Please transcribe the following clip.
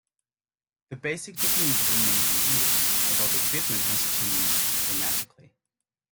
The basic technique remains in use, although the equipment has changed dramatically.